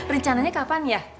rencananya kapan ya